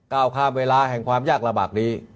ก้าวข้ามเวลาแห่งความยากลำบากนี้